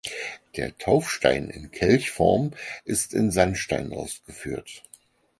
Der Taufstein in Kelchform ist in Sandstein ausgeführt.